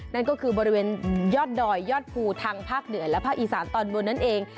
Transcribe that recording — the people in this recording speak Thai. นั่นก็คือบริเวณยอดดอยยอดภูทางภาคเหนือและภาคอีสานตอนบนนั่นเอง